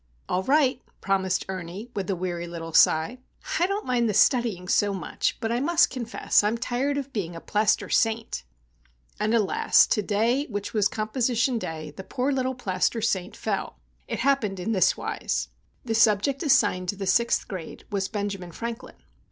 "All right," promised Ernie, with a weary little sigh. "I don't mind the studying so much; but I must confess I'm tired of being a plaster saint!" And, alas! to day, which was composition day, the poor little plaster saint fell! It happened in this wise. The subject assigned the Sixth Grade was Benjamin Franklin.